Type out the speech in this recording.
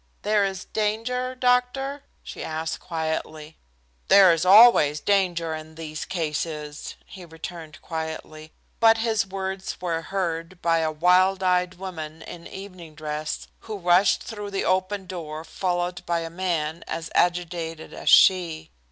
"There is danger, doctor?" she asked quietly "There is always danger in these cases," he returned quietly, but his words were heard by a wild eyed woman in evening dress who rushed through the open door followed by a man as agitated as she.